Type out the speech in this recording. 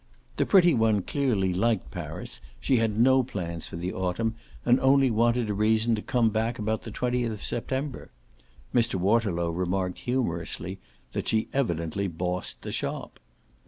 The pretty one clearly liked Paris, she had no plans for the autumn and only wanted a reason to come back about the twentieth of September. Mr. Waterlow remarked humorously that she evidently bossed the shop.